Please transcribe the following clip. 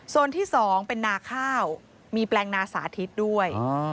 ที่๒เป็นนาข้าวมีแปลงนาสาธิตด้วย